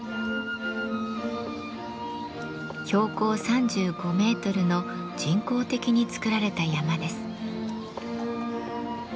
標高３５メートルの人工的に作られた山です。